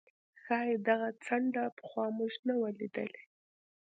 ښايي دغه څنډه پخوا موږ نه وه لیدلې.